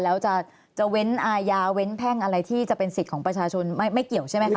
แล้วจะเว้นอาญาเว้นแพ่งอะไรที่จะเป็นสิทธิ์ของประชาชนไม่เกี่ยวใช่ไหมคะ